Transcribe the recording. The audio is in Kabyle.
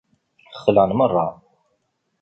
Xelɛen merra.